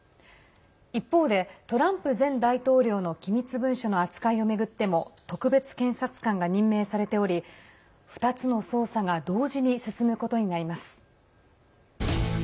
一方で、トランプ前大統領の機密文書の扱いを巡っても特別検察官が任命されており２つの捜査が同時に進むことになります。